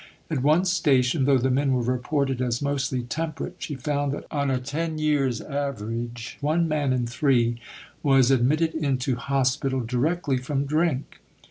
At one station, though the men were reported as "mostly temperate," she found that on a ten years' average one man in three was admitted into hospital directly from drink.